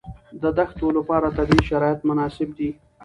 د دښتو لپاره طبیعي شرایط مناسب دي.